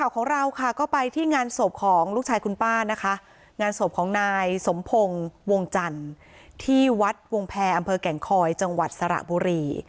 ของเราค่ะก็ไปที่งานศพของลูกชายคุณป้านะคะงานศพของนายสมพงศ์วงจันทร์ที่วัดวงแพรอำเภอแก่งคอยจังหวัดสระบุรี